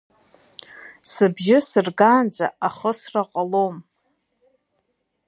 Сыбжьы сыргаанӡа ахысра ҟалом!